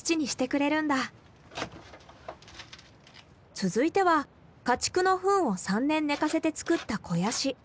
続いては家畜のふんを３年寝かせて作った肥やし。